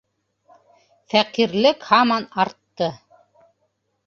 Фәҡирлек һаман артты.